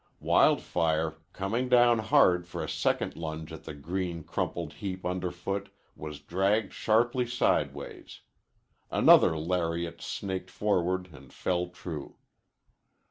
Wild Fire, coming down hard for a second lunge at the green crumpled heap underfoot, was dragged sharply sideways. Another lariat snaked forward and fell true.